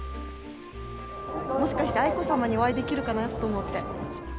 もしかして愛子さまにお会いできるかなと思って。